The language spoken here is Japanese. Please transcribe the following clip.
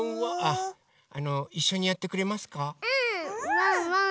ワンワン